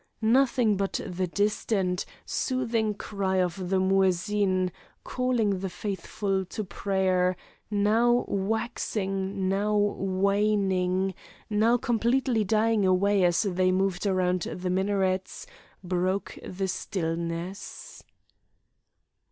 Nothing but the distant, soothing cry of the Muezzin, calling the faithful to prayer, now waxing, now waning, now completely dying away as they moved around the minarets, broke the stillness.